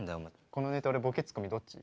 このネタ俺ボケツッコミどっち？